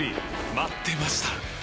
待ってました！